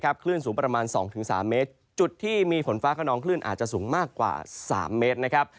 คลื่นสูงประมาณ๒๓เมตรจุดที่มีฝนฟ้าขนองคลื่นอาจจะสูงมากกว่า๓เมตรนะครับ